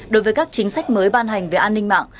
đối với các chính sách mới ban hành về an ninh mạng